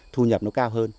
thu nhập nó cao hơn